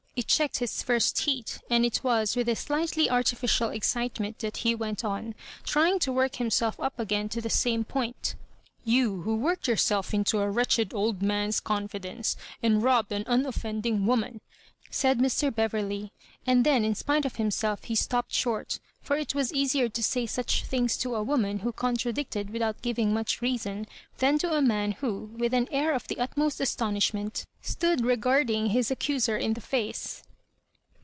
It checked his first heat, and it was with a sHghtly artificial excitement that he went on, trying to work himself up again to the same point. " You who worked yourself into a wretched old man's confidence^ and robljed an unoffending woman," said Mr. Beverley; and then in spite of himself he stopped short ; for it was easier to say such things to a woman who contradicted without giving much reason, than to a man who, with an air of the utmost aston ishment, stood regarding his accuser in the face.